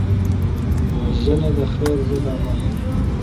وژنه د خیر ضد عمل دی